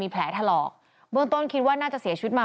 แผลถลอกเบื้องต้นคิดว่าน่าจะเสียชีวิตมา